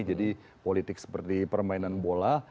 jadi politik seperti permainan bola